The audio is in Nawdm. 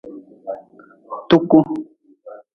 Tuku.